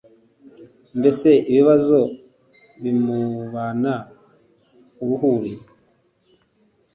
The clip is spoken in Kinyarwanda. mbese ibibazo bimubana uruhuri